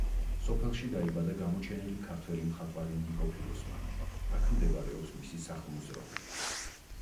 სოფელში დაიბადა გამოჩენილი ქართველი მხატვარი ნიკო ფიროსმანი, აქ მდებარეობს მისი სახლ-მუზეუმი.